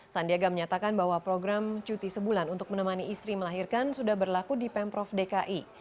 sandiaga menyatakan bahwa program cuti sebulan untuk menemani istri melahirkan sudah berlaku di pemprov dki